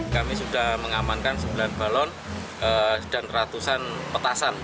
kami sudah mengamankan sembilan balon dan ratusan petasan